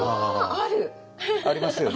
ありますよね。